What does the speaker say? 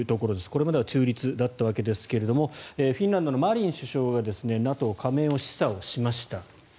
これまでは中立だったわけですがフィンランドのマリン首相がＮＡＴＯ加盟を示唆しました。